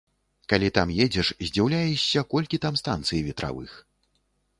Калі там едзеш, здзіўляешся, колькі там станцый ветравых.